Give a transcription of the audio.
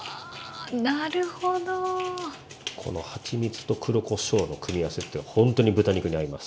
このはちみつと黒こしょうの組み合わせって本当に豚肉に合います。